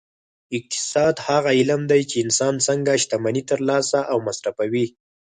اقتصاد هغه علم دی چې انسان څنګه شتمني ترلاسه او مصرفوي